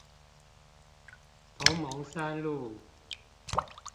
同盟三路